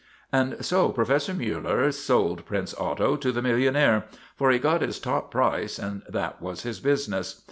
And so Professor Miiller sold Prince Otto to the millionaire, for he got his top price and that was his business.